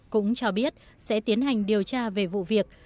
cũng cho biết sẽ tiến hành điều tra về vụ việc